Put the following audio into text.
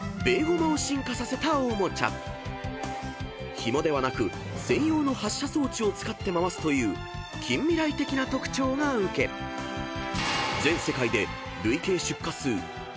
［ひもではなく専用の発射装置を使って回すという近未来的な特徴が受け全世界で］